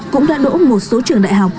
cũng đã đỗ một số trường đại học